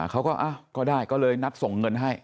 เขาก็ก็ได้ก็เลยนัดส่งเงินให้